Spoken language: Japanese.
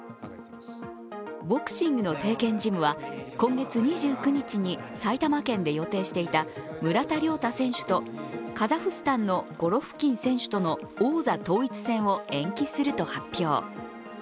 ボクシングの帝拳ジムは今月２９日に埼玉県で予定していた村田諒太選手とカザフスタンのゴロフキン選手の王座統一戦を延期すると発表。